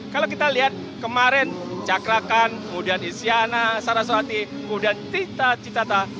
kalau kita lihat kemarin cakrakan kemudian isyana saraswati kemudian tita citata